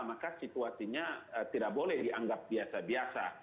maka situasinya tidak boleh dianggap biasa biasa